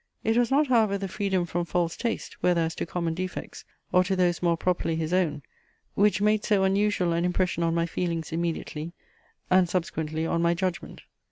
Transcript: It was not however the freedom from false taste, whether as to common defects, or to those more properly his own, which made so unusual an impression on my feelings immediately, and subsequently on my judgment.